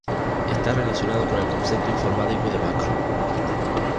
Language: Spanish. Está relacionado con el concepto informático de macro.